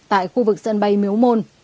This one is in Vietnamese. tại khu vực sân bay miếu môn